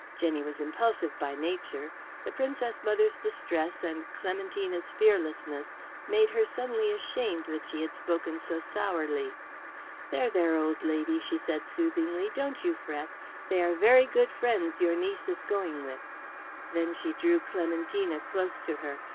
Jenny was impulsive by nature. The Princess mother's distress and Clementina's fearlessness made her suddenly ashamed that she had spoken so sourly. "There, there, old lady," she said soothingly; "don't you fret. They are very good friends your niece is going with." Then she drew Clementina close to her.